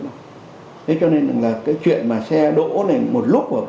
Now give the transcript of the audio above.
thế cho nên là cái chuyện mà xe đỗ này một lúc mà